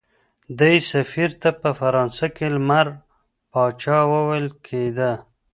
دې سفیر ته په فرانسه کې لمر پاچا ویل کېده.